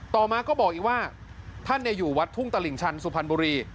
ต่อมาก็บอกอีกว่าท่านอยู่วัดทุ่งตลิ่งชันสุพรรณบุรี